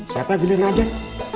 siapa giliran ajar